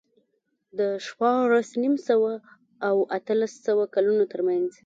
د شپاړس نیم سوه او اتلس سوه کلونو ترمنځ